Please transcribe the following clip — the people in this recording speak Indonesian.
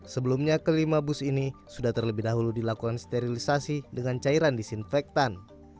sebelumnya kelima bus ini sudah terlebih dahulu dilakukan sterilisasi dengan cairan disinfektan